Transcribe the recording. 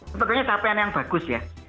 sebetulnya capaian yang bagus ya